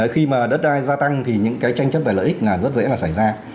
khi mà đất đai gia tăng thì những cái tranh chấp về lợi ích là rất dễ là xảy ra